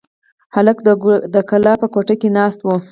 هلک د کلا په کوټه کې ناست و.